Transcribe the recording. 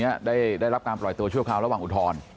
ได้รับการปล่อยตัวชั่วคราวระหว่างอุทธรณ์